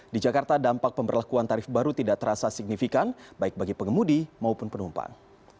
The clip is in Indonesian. di jakarta dampak pemberlakuan tarif baru tidak terasa signifikan baik bagi pengemudi maupun penumpang